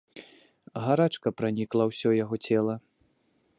Гарачка пранікла ўсё яго цела.